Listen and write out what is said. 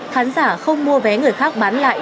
khán giả không mua vé người khác bán lại